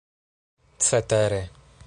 cetere